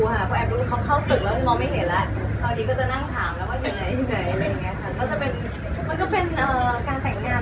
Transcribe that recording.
เราค่ะไปแอบดูดูครับเลยพอแอบดูเขาเข้าตึกแล้วมันมองไม่เห็นละ